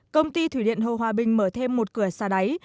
công ty thủy điện hồ hòa bình mở thêm một cửa xà đáy